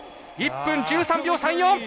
１分１３秒３４！